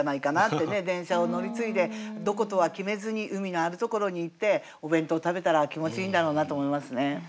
電車を乗り継いでどことは決めずに海のあるところに行ってお弁当食べたら気持ちいいんだろうなと思いますね。